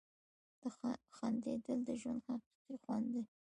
• خندېدل د ژوند حقیقي خوند دی.